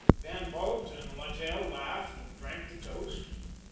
Van Bult and Littell laughed and drank the toast.